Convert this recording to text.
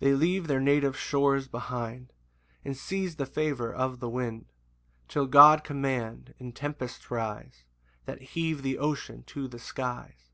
2 They leave their native shores behind, And seize the favour of the wind, Till God command, and tempests rise That heave the ocean to the skies.